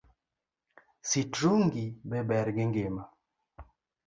Sitrungi be ber gi ngima?